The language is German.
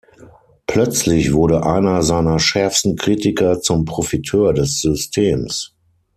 Plötzlich wurde einer seiner schärfsten Kritiker zum Profiteur des Systems.